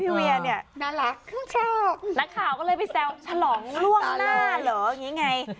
เวียเนี่ยน่ารักนักข่าวก็เลยไปแซวฉลองล่วงหน้าเหรออย่างนี้ไง